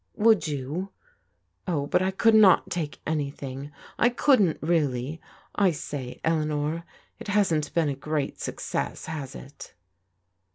"Would you? Oh, but I could not take anything. I couldn't really. I say, Eleanor, it hasn't been a great success, has it?"